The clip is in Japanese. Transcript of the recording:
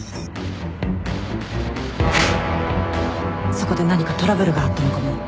そこで何かトラブルがあったのかも。